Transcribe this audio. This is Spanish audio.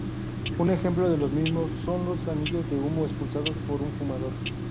Un ejemplo de los mismos son los anillos de humo expulsados por un fumador.